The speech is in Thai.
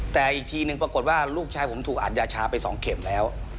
แต่อีกทีหนึ่งปรากฏว่าลูกชายผมถูกอัดยาชาไป๒เข็มแล้ว